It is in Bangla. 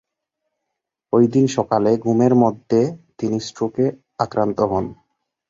ঐদিন সকালে ঘুমের মধ্যে তিনি স্ট্রোকে আক্রান্ত হন।